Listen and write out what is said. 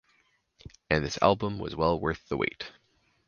And this album was well worth the wait.